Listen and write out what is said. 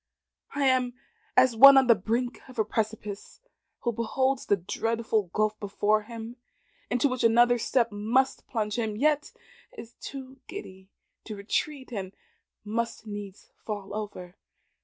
I am as one on the brink of a precipice, who beholds the dreadful gulf before him, into which another step must plunge him, yet is too giddy to retreat, and must needs fall over.